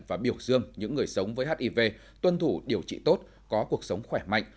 và biểu dương những người sống với hiv tuân thủ điều trị tốt có cuộc sống khỏe mạnh